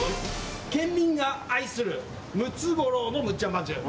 県民が愛するムツゴロウのむっちゃん万十。